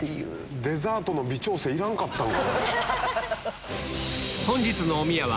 デザートの微調整いらんかったんかな。